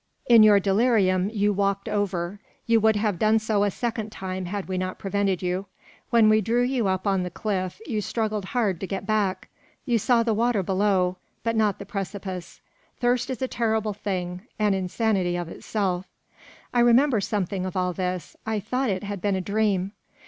"In your delirium you walked over. You would have done so a second time had we not prevented you. When we drew you up on the cliff, you struggled hard to get back. You saw the water below, but not the precipice. Thirst is a terrible thing an insanity of itself." "I remember something of all this. I thought it had been a dream."